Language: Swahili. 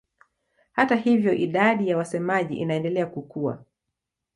Hata hivyo idadi ya wasemaji inaendelea kukua.